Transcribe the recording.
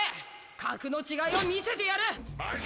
格の違いを見せてやる！